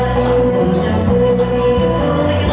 สวัสดีครับ